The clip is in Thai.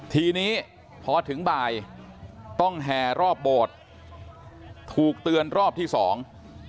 ทีนี้พอถึงบ่ายต้องแห่รอบโบสถ์ถูกเตือนรอบที่สอง